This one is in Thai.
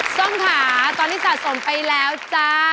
ส้มค่ะตอนนี้สะสมไปแล้วจ้า